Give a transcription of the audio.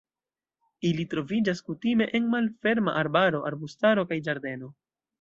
Ili troviĝas kutime en malferma arbaro, arbustaro kaj ĝardenoj.